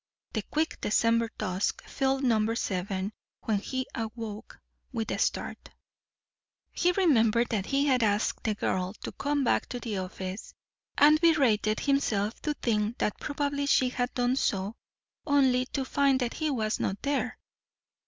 The quick December dusk filled number seven when he awoke with a start. He remembered that he had asked the girl to come back to the office, and berated himself to think that probably she had done so only to find that he was not there.